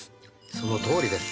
そのとおりです。